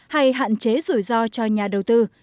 hay hạn chế rủi ro cho nhà đầu tư